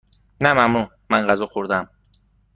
نه ممنون، من غذا خوردهام.